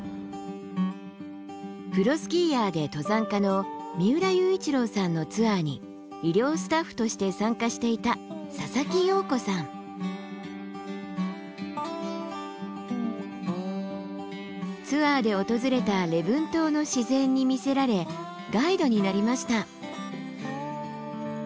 プロスキーヤーで登山家の三浦雄一郎さんのツアーに医療スタッフとして参加していたツアーで訪れた礼文島の自然に魅せられガイドになりました。